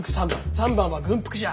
３番は軍服じゃ。